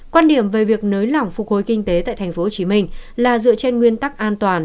quan điểm về việc nới lỏng phục hồi kinh tế tại tp hcm là dựa trên nguyên tắc an toàn